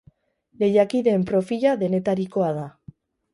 Lehiakideen profila denetarikoa da.